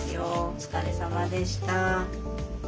お疲れさまでした。